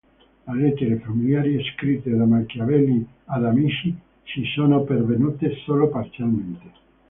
Le lettere "familiari" scritte da Machiavelli ad amici ci sono pervenute solo parzialmente.